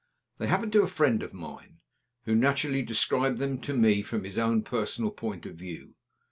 They happened to a friend of mine, who naturally described them to me from his own personal point of view.